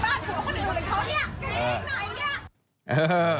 เมื่อกี้บ้านของคนอื่นคนเหมือนเขาเนี่ย